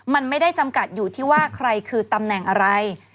มันไม่ได้จำกัดอยู่ที่ว่าใครคือตำแหน่งอะไร